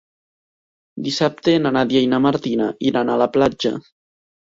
Dissabte na Nàdia i na Martina iran a la platja.